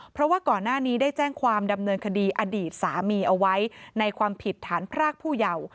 เพราะว่าก่อนหน้านี้ได้แจ้งความดำเนินคดีอดีตสามีเอาไว้ในความผิดฐานพรากผู้เยาว์